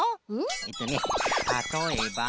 えっとねたとえば。